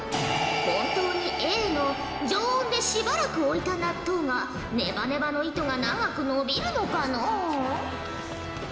本当にＡの常温でしばらく置いた納豆がネバネバの糸が長く伸びるのかのう？